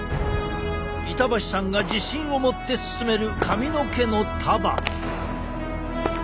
板橋さんが自信を持ってすすめる髪の毛の束。